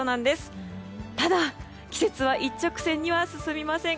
ただ、季節は一直線には進みません。